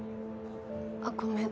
あっごめん。